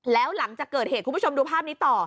แล้วหลังจากเกิดเหตุคุณผู้ชมดูภาพนี้ต่อ